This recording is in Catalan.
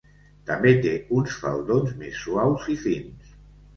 També té uns faldons més suaus i fins.